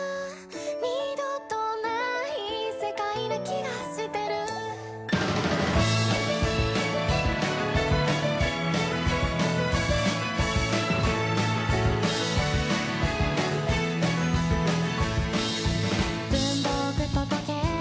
「二度とない世界な気がしてる」「文房具と時計